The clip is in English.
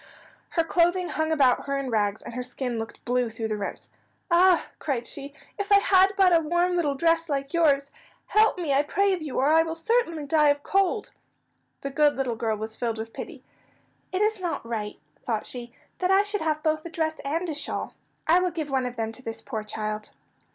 Her clothing hung about her in rags, and her skin looked blue through the rents. "Ah," cried she, "if I had but a warm little dress like yours! Help me, I pray of you, or I will certainly die of cold." The good little girl was filled with pity. "It is not right," thought she, "that I should have both a dress and a shawl. I will give one of them to this poor child."